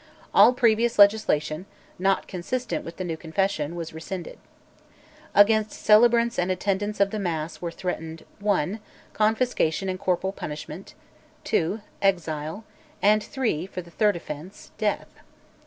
All previous legislation, not consistent with the new Confession, was rescinded. Against celebrants and attendants of the Mass were threatened (1) confiscation and corporal punishment; (2) exile; and (3) for the third offence, Death.